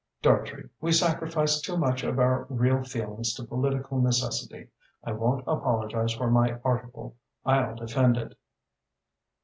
Dartrey, we sacrifice too much of our real feelings to political necessity. I won't apologize for my article; I'll defend it."